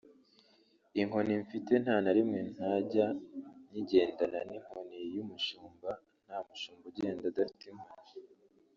Inkoni mfite nta na rimwe ntajya nyigendana ni inkoni y’umushumba; nta mushumba ugenda adafite inkoni